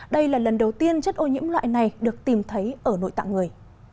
đây là lần đầu tiên chất ô nhiễm loại này được tìm thấy ở nội tạng người